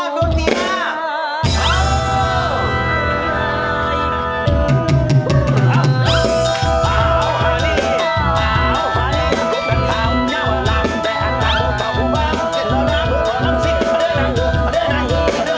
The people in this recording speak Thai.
โดดเดีย